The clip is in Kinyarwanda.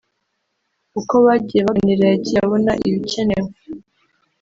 uko bagiye baganira yagiye abona ibikenewe